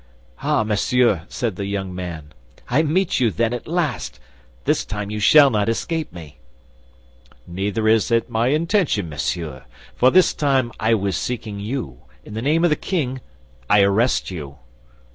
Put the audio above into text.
"Ah, monsieur!" said the young man, "I meet you, then, at last! This time you shall not escape me!" "Neither is it my intention, monsieur, for this time I was seeking you; in the name of the king, I arrest you."